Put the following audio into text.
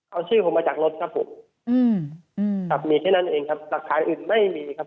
เอาชื่อผมมาจากรถครับผมอืมครับมีแค่นั้นเองครับหลักฐานอื่นไม่มีครับ